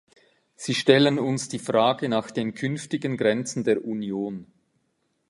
Sie stellen uns die Frage nach den künftigen Grenzen der Union.